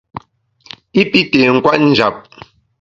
I pi té nkwet njap.